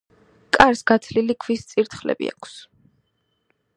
კარს გათლილი ქვის წირთხლები აქვს.